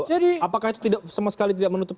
apakah itu sama sekali tidak menutup